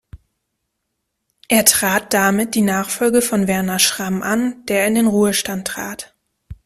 Er trat damit die Nachfolge von Werner Schramm an, der in den Ruhestand trat.